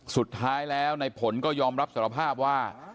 สุดท้ายแล้วในผลก็ยอมรับสารภาพว่า